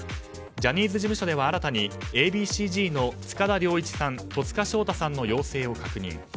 ジャニーズ事務所では新たにＡ．Ｂ．Ｃ‐Ｚの塚田僚一さん、戸塚祥太さんの陽性を確認。